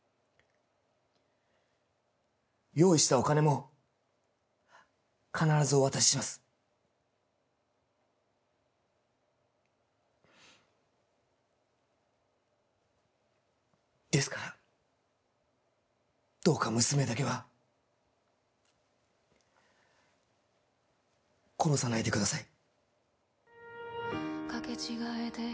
用意したお金も必ずお渡ししますですからどうか娘だけは殺さないでください